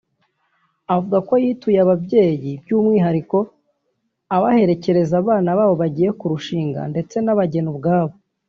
avuga ko yayituye ababyeyi by’umwihariko abaherekeza abana babo bagiye kurushinga ndetse n’abageni ubwabo